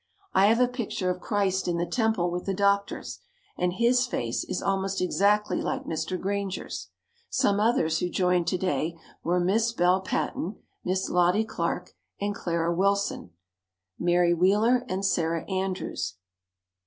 I have a picture of Christ in the Temple with the doctors, and His face is almost exactly like Mr. Granger's. Some others who joined to day were Miss Belle Paton, Miss Lottie Clark and Clara Willson, Mary Wheeler and Sarah Andrews.